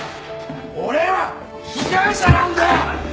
俺は被害者なんだ！！